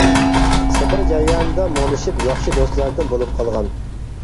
سەپەر جەريانىدا مۇڭدىشىپ ياخشى دوستلاردىن بولۇپ قالغان.